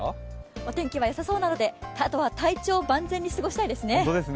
お天気はよさそうなので、あとは体調万全に過ごしたいですね。